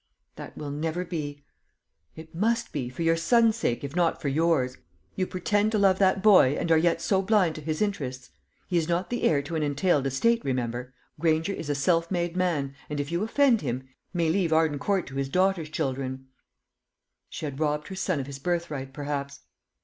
"That will never be." "It must be for your son's sake, if not for yours. You pretend to love that boy, and are yet so blind to his interests? He is not the heir to an entailed estate, remember. Granger is a self made man, and if you offend him, may leave Arden Court to his daughter's children." She had robbed her son of his birthright, perhaps.